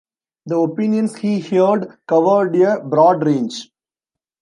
The opinions he heard covered a broad range.